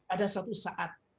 ada suatu saat